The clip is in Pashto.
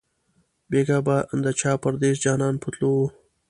بیګا بیا د چا پردېس جانان په تلو وو